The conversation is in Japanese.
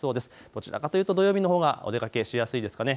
どちらかというと土曜日のほうがお出かけしやすいですかね。